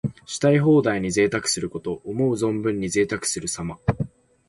したい放題に贅沢すること。思う存分にぜいたくするさま。